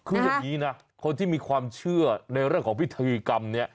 คืออย่างนี้นะคนที่มีความเชื่อในเรื่องของพิธีกรรมนี้